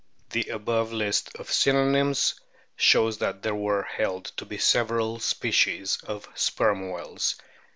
The above list of synonyms shows that there were held to be several species of Sperm whales.